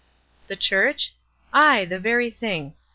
The Church ? Aye, the very thing.